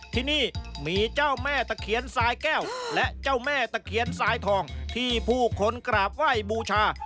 ที่นี่มีเจ้าแม่ตะเคียนสายแก้วและเจ้าแม่ตะเคียนสายทองที่ผู้คนกราบไหว้บูชา